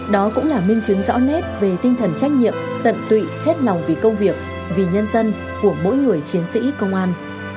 đó cũng là minh chứng rõ nét về tinh thần trách nhiệm tận tụy hết lòng vì công việc vì nhân dân của mỗi người chiến sĩ công an